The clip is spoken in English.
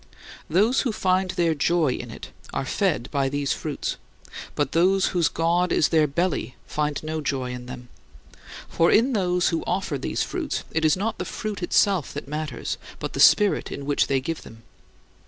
Those who find their joy in it are fed by these "fruits"; but those whose god is their belly find no joy in them. For in those who offer these fruits, it is not the fruit itself that matters, but the spirit in which they give them.